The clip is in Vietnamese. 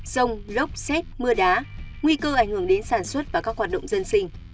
rông lốc xét mưa đá nguy cơ ảnh hưởng đến sản xuất và các hoạt động dân sinh